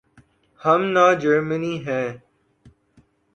ہم نہ جرمنی ہیں۔